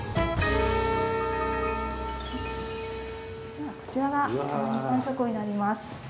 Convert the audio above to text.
ではこちらが一般書庫になります。